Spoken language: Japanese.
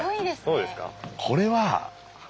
そうですか。